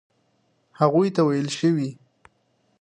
هغوی ته ویل شوي.